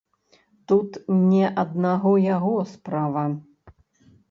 Тут не аднаго яго справа.